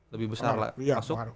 lebih besar masuk